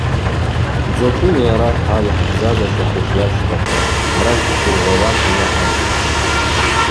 Дзачӏвыйа йара хӏа йхӏбзазащахуш йащтата, хӏара йхӏхъгвыргӏвауата йаъаз.